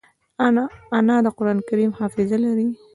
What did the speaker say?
انا د قرانکریم حافظه لري